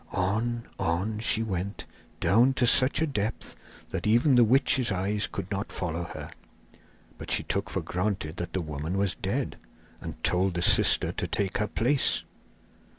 On, on, she went, down to such a depth that even the witch's eyes could not follow her; but she took for granted that the woman was dead, and told the sister to take her place.